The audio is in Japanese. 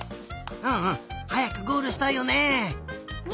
うんうんはやくゴールしたいよね！